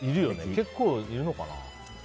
結構いるのかな。